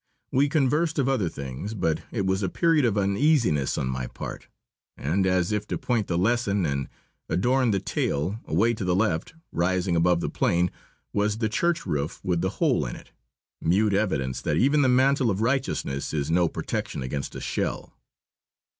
We conversed of other things. But it was a period of uneasiness on my part. And, as if to point the lesson and adorn the tale, away to the left, rising above the plain, was the church roof with the hole in it mute evidence that even the mantle of righteousness is no protection against a shell.